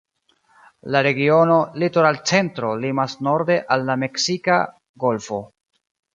La regiono "Litoral Centro" limas norde al la Meksika Golfo.